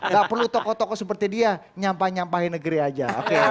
gak perlu tokoh tokoh seperti dia nyampah nyampahin negeri aja